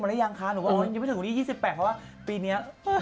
เราก็จะมีเพื่อนอยู่